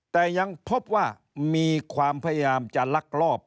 แต่ยังพบว่ามีความพยายามจะลักลอบ